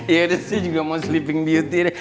ya udah sih juga mau sleeping beauty deh